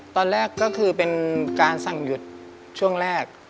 ตอนแรกก็คือเป็นการสั่งหยุดช่วงแรก